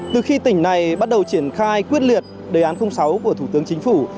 từ khi tỉnh này bắt đầu triển khai quyết liệt đề án sáu của thủ tướng chính phủ